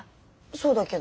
そうだけど。